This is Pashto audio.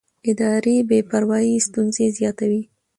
اداري بې پروایي ستونزې زیاتوي